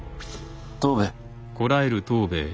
藤兵衛。